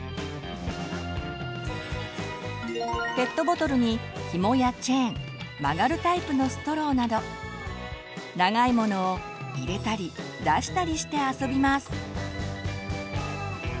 ペットボトルにひもやチェーン曲がるタイプのストローなど長いものを入れたり出したりして遊びます。